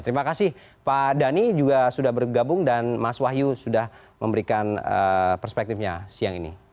terima kasih pak dhani juga sudah bergabung dan mas wahyu sudah memberikan perspektifnya siang ini